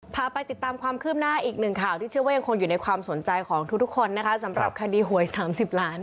พาไปติดตามความคืบหน้าอีกหนึ่งข่าวที่เชื่อว่ายังคงอยู่ในความสนใจของทุกคนนะคะสำหรับคดีหวย๓๐ล้าน